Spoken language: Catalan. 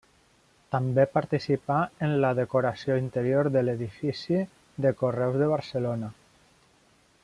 També participà en la decoració interior de l'edifici de Correus de Barcelona.